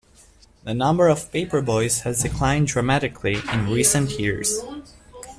The number of paperboys has declined dramatically in recent years.